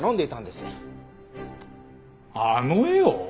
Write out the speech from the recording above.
あの絵を？